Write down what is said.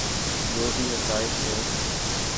جو بھی حقائق ہوں۔